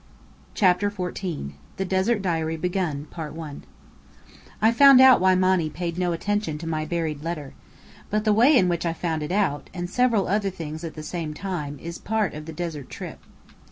CHAPTER XIV THE DESERT DIARY BEGUN I found out why Monny paid no attention to my buried letter. But the way in which I found it out (and several other things at the same time) is part of the desert trip.